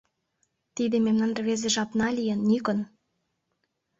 Тиде мемнан рвезе жапна лийын, Никон!